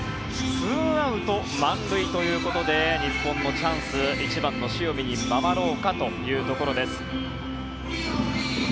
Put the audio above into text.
ツーアウト、満塁ということで日本のチャンス、１番の塩見に回ろうかというところ。